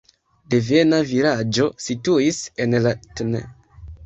Devena vilaĝo situis en la tn.